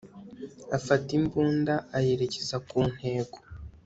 afata imbunda ayerekeza ku ntego